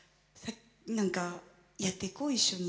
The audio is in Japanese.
何かやっていこう一緒に。